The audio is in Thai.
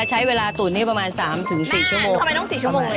ใช้เวลาตุ๋นให้ประมาณสามถึงสี่ชั่วโมงทำไมต้องสี่ชั่วโมงเลย